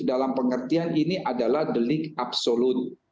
dalam pengertian ini adalah delik absolut